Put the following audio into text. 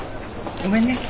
ごめんね。